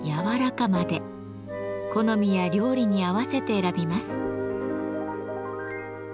好みや料理に合わせて選びます。